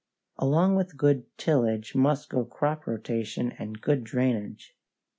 Along with good tillage must go crop rotation and good drainage.